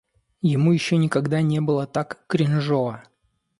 Ему ещё никогда не было так кринжово.